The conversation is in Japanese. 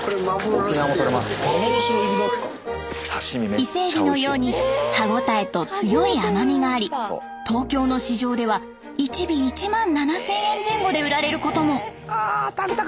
伊勢エビのように歯応えと強い甘みがあり東京の市場では１尾１万７，０００円前後で売られることも。